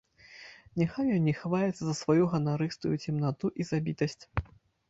Няхай ён не хаваецца за сваю ганарыстую цемнату і забітасць.